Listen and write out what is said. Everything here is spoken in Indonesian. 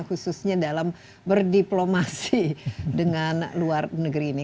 khususnya dalam berdiplomasi dengan luar negeri ini